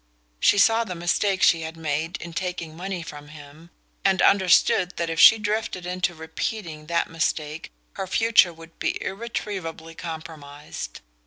She saw the mistake she had made in taking money from him, and understood that if she drifted into repeating that mistake her future would be irretrievably compromised.